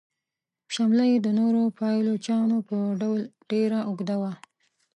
شمله یې د نورو پایلوچانو په ډول ډیره اوږده وه.